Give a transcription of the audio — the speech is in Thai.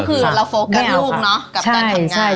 คือเราโฟกกับลูกเอากับตัวทำงาน